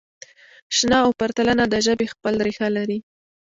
شننه او پرتلنه د ژبې خپل ریښه لري.